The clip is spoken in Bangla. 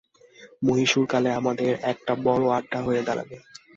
মহীশূর কালে আমাদের একটা বড় আড্ডা হয়ে দাঁড়াবে।